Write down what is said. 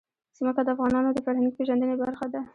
ځمکه د افغانانو د فرهنګي پیژندنې برخه ده.